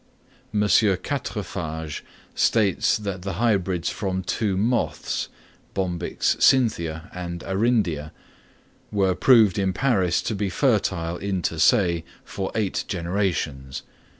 M. Quatrefages states that the hybrids from two moths (Bombyx cynthia and arrindia) were proved in Paris to be fertile inter se for eight generations.